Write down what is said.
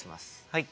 はい。